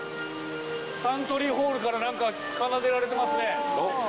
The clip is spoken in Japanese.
サントリーホールからなんか奏でられてますね。